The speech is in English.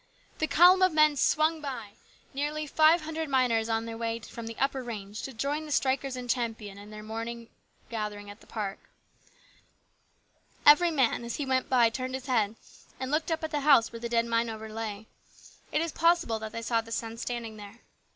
The column of men swung by, nearly five hundred miners on their way from the upper range to join the strikers in Champion in their regular morning gathering at the park. Every man as he went by turned his head and looked up at the house where the dead mine owner lay. It is possible THE GREAT STRIKE. 39 that they saw the son standing there.